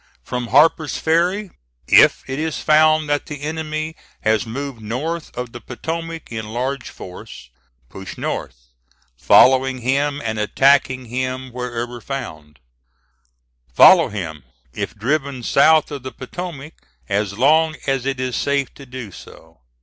From Harper's Ferry, if it is found that the enemy has moved north of the Potomac in large force, push north, following him and attacking him wherever found; follow him, if driven south of the Potomac, as long as it is safe to do so.